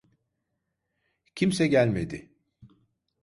Kimse gelmedi.